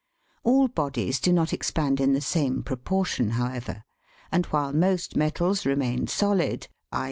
All bodies do not expand in the same proportion, how ever, and while most metals remain solid, i.